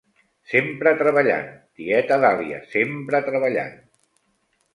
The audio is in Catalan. Sempre treballant, tieta Dahlia, sempre treballant.